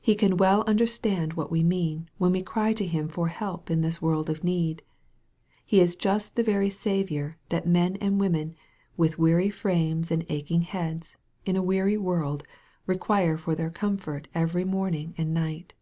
He can well understand what we mean, when we cry to Him for help in this world of need. He is just the very Saviour that men and women, with weary frames and aching heads, in a weary world, require for their comfort every morning and night.